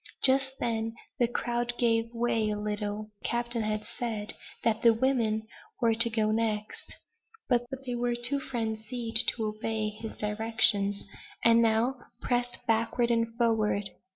Just then the crowd gave way a little. The captain had said, that the women were to go next; but they were too frenzied to obey his directions, and now pressed backward and forward.